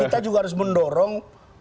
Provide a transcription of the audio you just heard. kita juga harus mendorong